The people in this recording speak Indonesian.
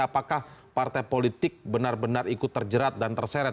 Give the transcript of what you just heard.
apakah partai politik benar benar ikut terjerat dan terseret